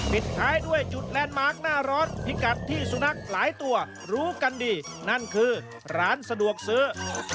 ปิดท้ายด้วยจุดแลนด์มาร์คหน้าร้อนพิกัดที่สุนัขหลายตัวรู้กันดีนั่นคือร้านสะดวกซื้อ